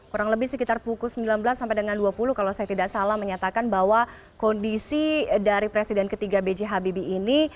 kurang lebih sekitar pukul sembilan belas sampai dengan dua puluh kalau saya tidak salah menyatakan bahwa kondisi dari presiden ketiga b j habibie ini